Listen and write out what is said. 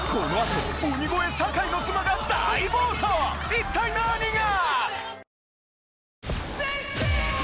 一体何が！？